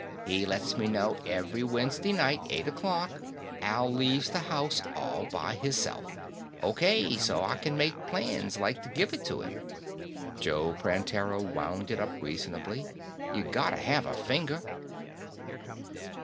He lets me know every Wednesday night, eight o'clock, Al leaves the house all by hisself. O.K., so I can make plans, like, to give it to him." Joe Prantera wound it up reasonably. "You gotta have a finger."